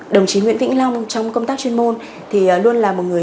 đồng chí nguyễn vĩnh long trong công tác chuyên môn